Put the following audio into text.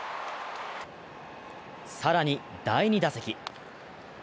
更に第２打席。